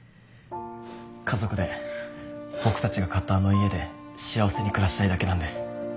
家族で僕たちが買ったあの家で幸せに暮らしたいだけなんです。